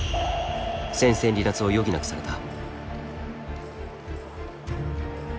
戦線離脱を余儀なくされた。